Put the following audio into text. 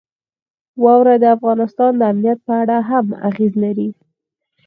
واوره د افغانستان د امنیت په اړه هم اغېز لري.